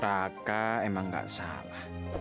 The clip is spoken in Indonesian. raka emang gak salah